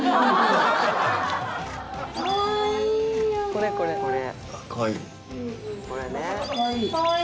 「これこれこれ」